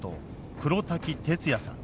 黒滝哲哉さん。